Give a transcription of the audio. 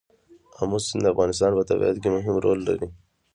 آمو سیند د افغانستان په طبیعت کې مهم رول لري.